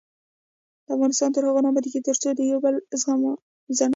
افغانستان تر هغو نه ابادیږي، ترڅو د یو بل زغمل زده نکړو.